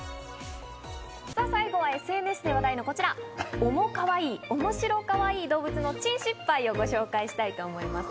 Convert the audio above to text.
さあ、最後はＳＮＳで話題のこちら、オモカワイイ、おもしろかわいい動物の珍失敗をご紹介したいと思います、